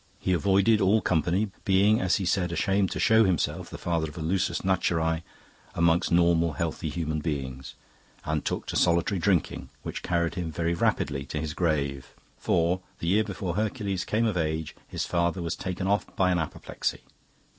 He avoided all company (being, as he said, ashamed to show himself, the father of a lusus naturae, among normal, healthy human beings), and took to solitary drinking, which carried him very rapidly to his grave; for the year before Hercules came of age his father was taken off by an apoplexy.